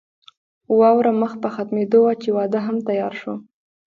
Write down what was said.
واوره مخ په ختمېدو وه چې واده هم تيار شو.